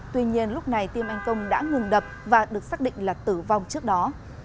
tuy nhiên lúc này tim anh công đã ngừng đập và được xác định là tử vong trước đó